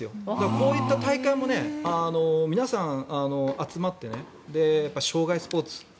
こういう大会も皆さん、集まって生涯スポーツ。